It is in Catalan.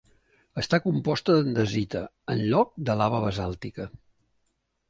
Està composta d'andesita en lloc de lava basàltica.